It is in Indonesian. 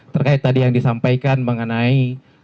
terkait tadi yang disampaikan mengenai